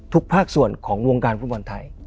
ภาคส่วนของวงการฟุตบอลไทย